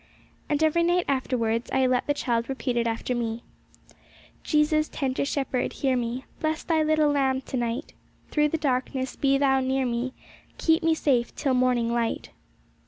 And every night afterwards I let the child repeat it after me, 'Jesus, tender Shepherd, hear me, Bless Thy little lamb to night, Through the darkness be Thou near me, Keep me safe till morning light.'